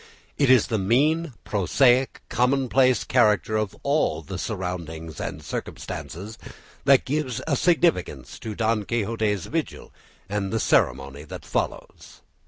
It is the mean, prosaic, commonplace character of all the surroundings and circumstances that gives a significance to Don Quixote's vigil and the ceremony that follows.